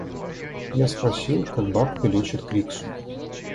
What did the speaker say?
Я спросил, как бабка лечит криксу.